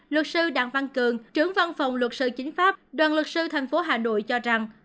luật sư đặng văn cường trưởng văn phòng luật sư chính pháp đoàn luật sư thành phố hà nội cho rằng